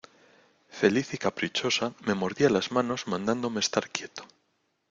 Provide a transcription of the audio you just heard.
feliz y caprichosa me mordía las manos mandándome estar quieto.